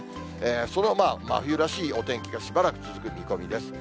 そのまま冬らしいお天気がしばらく続く見込みです。